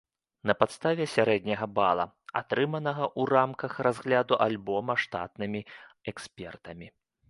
На падставе сярэдняга бала, атрыманага ў рамках разгляду альбома штатнымі экспертамі.